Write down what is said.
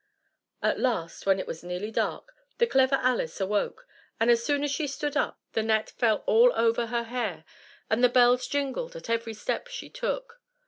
At last, when it was nearly dark, the Clever Alice awoke, and as soon as she stood up, the net fell all over her hair, and the bells jingled at every step she took.